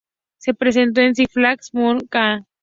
Se presentó en six flags mountain Ca.